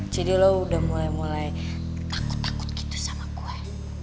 jadi lo udah mulai mulai takut takut gitu sama gue